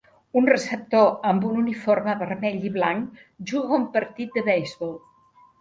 Un receptor amb un uniforme vermell i blanc juga un partit de beisbol.